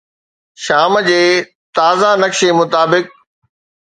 شام جي تازي نقشي مطابق